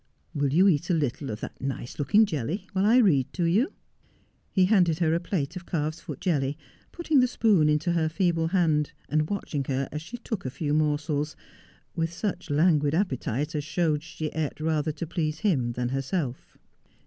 Will you eat a little of that nice looking jelly while I read to you ?' He handed her a plate of calves' foot jelly, putting the spoon into her feeble hand, and watching her as she took a few morsels, with such languid appetite as showed she eat rather to please him than herself.